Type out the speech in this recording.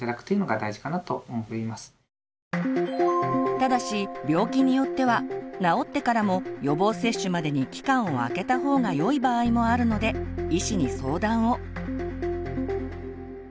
ただし病気によっては治ってからも予防接種までに期間をあけた方がよい場合もあるので医師に相談を。